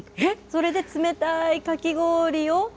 それで冷たいかき氷を？